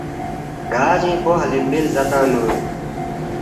گا جینگ پو حلیمبی لزالا تانگنوک۔